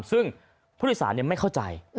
ซึ่งผู้โดยสารไม่เข้าใจ